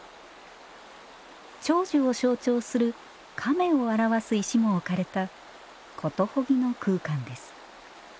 長寿を象徴する亀を表す石も置かれたことほぎの空間です